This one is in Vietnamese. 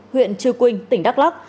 huyện trư quynh tỉnh đắk lắc